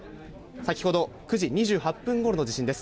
先ほど９時２８分ごろの地震です。